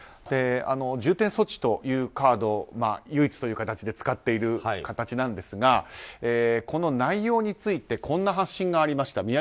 重点措置というカードを唯一として使っている形ですがこの内容についてこんな発信がありました。